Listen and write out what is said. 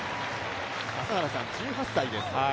朝原さん、１８歳です。